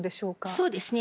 そうですね。